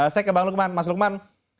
saya ke bang lukman mas lukman